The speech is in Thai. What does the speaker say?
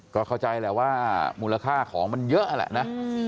ก็เข้าใจแหละว่ามูลค่าของมันเยอะแหละนะ